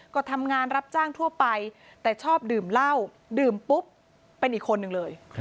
ก็ทำงานรับจ้างทั่วไปแต่ชอบดื่มเหล้าดื่มปุ๊บเป็นอีกคนนึงเลย